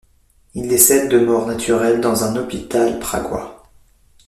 Il décède de mort naturelle dans un hôpital praguois.